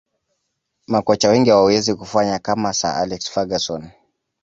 makocha wengi hawawezi kufanya kama sir alex ferguson